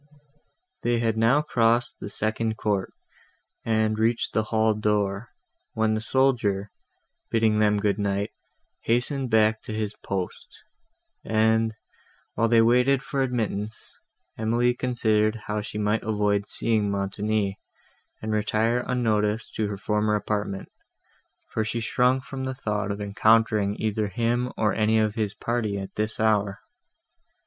They had now crossed the second court, and reached the hall door, when the soldier, bidding them good night, hastened back to his post; and, while they waited for admittance, Emily considered how she might avoid seeing Montoni, and retire unnoticed to her former apartment, for she shrunk from the thought of encountering either him, or any of his party, at this hour.